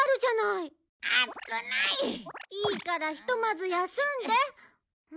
いいからひとまず休んで。